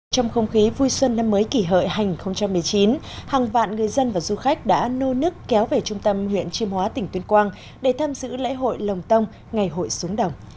trong không khí vui xuân năm mới kỷ hợi hành một mươi chín hàng vạn người dân và du khách đã nô nức kéo về trung tâm huyện chiêm hóa tỉnh tuyên quang để tham dự lễ hội lồng tông ngày hội xuống đồng